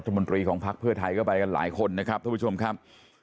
รัฐบุรณีของพักภพเทย์เข้าไปกันหลายคนนะครับทุกผู้ชมครับ